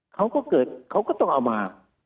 เขาก็เกิดเขาก็ต้องเอามา